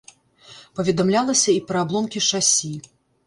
Паведамлялася і пра абломкі шасі.